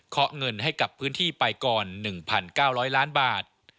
เงินให้กับพื้นที่ไปก่อน๑๙๐๐ล้านบาท